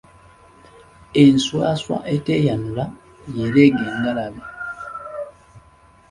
Enswaswa eteeyanula, y'ereega engalabi.